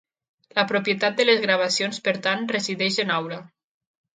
La propietat de les gravacions, per tant, resideix en Aura.